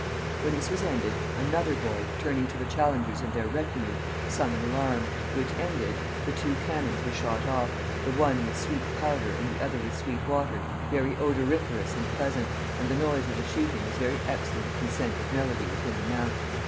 When this was ended, another boy, turning to the challengers and their retinue, sung an alarm, which ended, the two canons were shot off, 'the one with sweet powder and the other with sweet water, very odoriferous and pleasant, and the noise of the shooting was very excellent consent of melody within the mount.